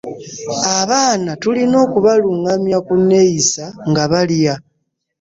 Abaana tulina okubaluŋŋamya ku nneeyisa nga balya.